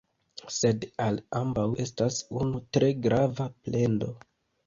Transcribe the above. Sed al ambaŭ estas unu tre grava plendo.